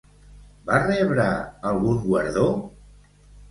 Va rebre algun guardó?